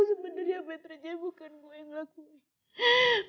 sebenarnya baterai bukan gue yang ngelakuin